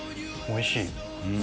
おいしい。